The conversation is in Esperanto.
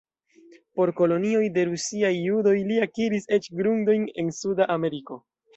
Por kolonioj de rusiaj judoj li akiris eĉ grundojn en Suda Ameriko.